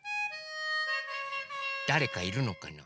だれかいるのかな？